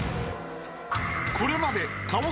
［これまで］